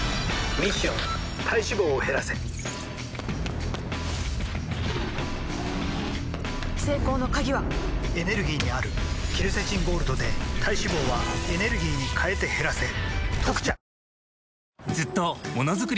ミッション体脂肪を減らせ成功の鍵はエネルギーにあるケルセチンゴールドで体脂肪はエネルギーに変えて減らせ「特茶」